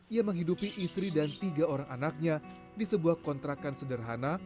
ia menghidupi istri dan tiga orang anaknya di sebuah kontrakan sederhana